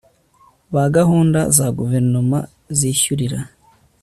b gahunda za guverinoma zishyurira